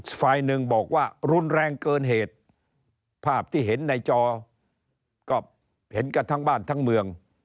ฝ่ายหนึ่งบอกว่ารุนแรงเกินเหตุภาพที่เห็นในจอก็เห็นกันทั้งบ้านทั้งเมือง